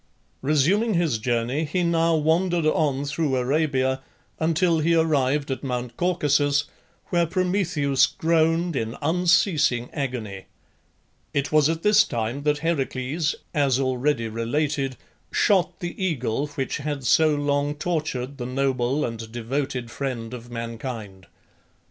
Resuming his journey he now wandered on through Arabia until he arrived at Mount Caucasus, where Prometheus groaned in unceasing agony. It was at this time that Heracles (as already related) shot the eagle which had so long tortured the noble and devoted friend of mankind.